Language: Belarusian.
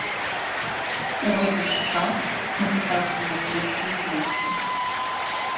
У гэты ж час напісаў свае першыя вершы.